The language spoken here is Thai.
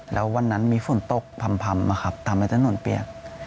แล้ววันนั้นมีฝนตกพำทำให้ถนนเปียก